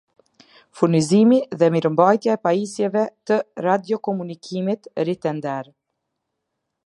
Furnizimi dhe mirëmbajtja e pajisjeve të radiokomunikimitritender